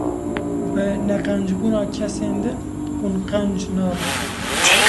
Bi neqencbûna kesên din, hûn qenc nabin.